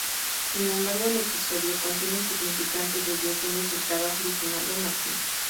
Sin embargo, el episodio contiene significantes desviaciones del trabajo original de Martin.